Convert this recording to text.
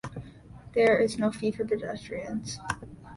There is no fee for pedestrians.